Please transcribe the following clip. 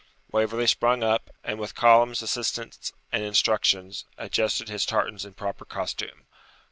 Waverley sprung up, and, with Callum's assistance and instructions, adjusted his tartans in proper costume.